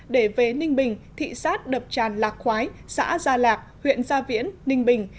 để về ninh bình thị xác đập tràn lạc khoái xã gia lạc huyện gia viễn ninh bình